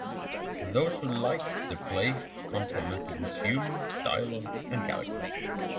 Those who liked the play complimented its humor, dialogue, and characters.